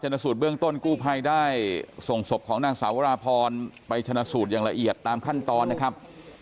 สูตรเบื้องต้นกู้ภัยได้ส่งศพของนางสาวราพรไปชนะสูตรอย่างละเอียดตามขั้นตอนนะครับ